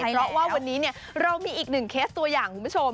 เพราะว่าวันนี้เรามีอีกหนึ่งเคสตัวอย่างคุณผู้ชม